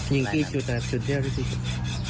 ยิงกี่ชุดจนที่สี่ชุด